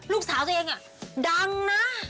ลูกสาวเจ้าเองดังนะ